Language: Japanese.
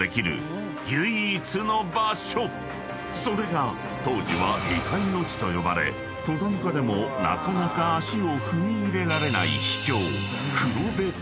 ［それが当時は未開の地と呼ばれ登山家でもなかなか足を踏み入れられない］